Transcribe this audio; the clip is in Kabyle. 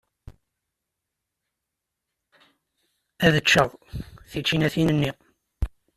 Ad ččeɣ tičinatin-nni.